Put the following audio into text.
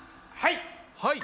はい！